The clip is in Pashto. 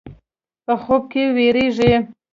په خوب کې وېرېږي.